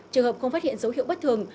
trường hợp không phát hiện dấu hiệu bất thường